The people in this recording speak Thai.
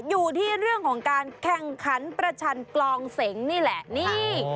อยู่ที่เรื่องของการแข่งขันประชันกลองเสงนี่แหละนี่